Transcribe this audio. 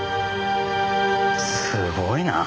すごいな。